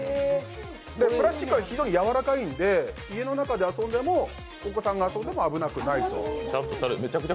プラスチックは非常にやわらかいので、家の中で遊んでも、お子さんが遊んでも危なくないと。